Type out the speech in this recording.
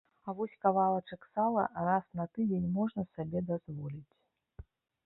А вось кавалачак сала раз на тыдзень можна сабе дазволіць.